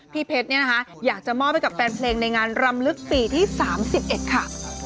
พี่เพชรเนี่ยนะคะอยากจะมอบให้กับแฟนเพลงในงานรำลึกปีที่๓๑ค่ะ